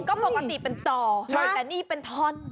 ก็ปกติเป็นต่อเลยแต่นี่เป็นท่อน